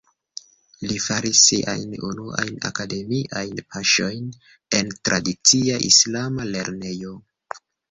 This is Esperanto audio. Li faris siajn unuajn akademiajn paŝojn en tradicia islama lernejo.